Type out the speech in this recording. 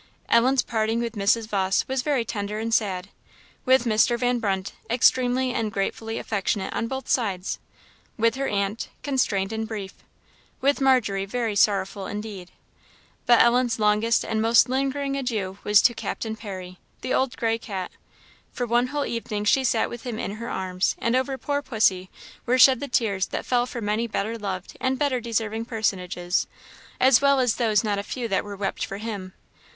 Ellen's parting with Mrs. Vawse was very tender and very sad; with Mr. Van Brunt, extremely and gratefully affectionate on both sides; with her aunt, constrained and brief; with Margery very sorrowful indeed. But Ellen's longest and most lingering adieu was to Captain Parry, the old gray cat. For one whole evening she sat with him in her arms; and over poor pussy were shed the tears that fell for many better loved and better deserving personages, as well as those not a few that were wept for him.